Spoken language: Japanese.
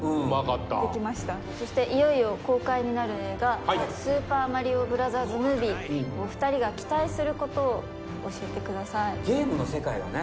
そしていよいよ公開になる映画『ザ・スーパーマリオブラザーズ・ムービー』お二人が期待することを教えてください。